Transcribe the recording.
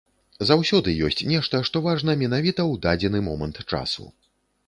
Заўсёды ёсць нешта, што важна менавіта ў дадзены момант часу.